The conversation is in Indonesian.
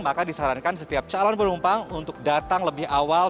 maka disarankan setiap calon penumpang untuk datang lebih awal